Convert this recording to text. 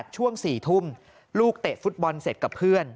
ช่วง๔ทุ่มลูกเตะฟุตบอลเสร็จกับเพื่อน